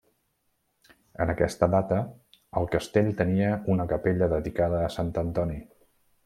En aquesta data el castell tenia una capella dedicada a Sant Antoni.